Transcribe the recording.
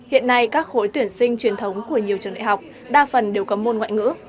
hiện nay các khối tuyển sinh truyền thống của nhiều trường đại học đa phần đều có môn ngoại ngữ